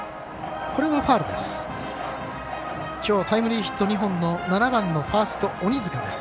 きょうタイムリーヒット２本の７番のファースト、鬼塚です。